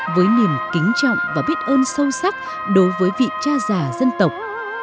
với niềm kính trọng và biết ơn sâu sắc đối với vị cha già dân tộc